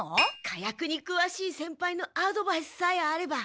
火薬にくわしい先輩のアドバイスさえあれば。